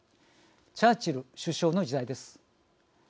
チャーチル首相の時代です。